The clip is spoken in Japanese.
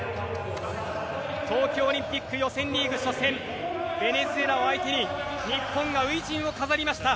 東京オリンピック予選リーグ初戦ベネズエラを相手に日本が初陣を飾りました。